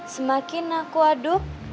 semakin aku aduk